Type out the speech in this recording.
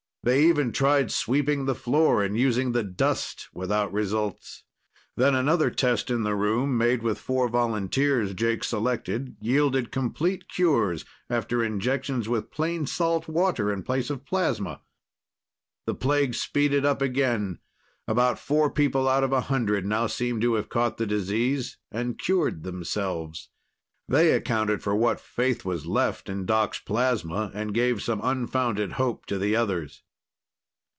They even tried sweeping the floor and using the dust without results. Then another test in the room, made with four volunteers Jake selected, yielded complete cures after injections with plain salt water in place of plasma. The plague speeded up again. About four people out of a hundred now seemed to have caught the disease and cured themselves. They accounted for what faith was left in Doc's plasma and gave some unfounded hope to the others.